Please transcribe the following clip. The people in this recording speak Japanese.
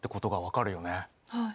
はい。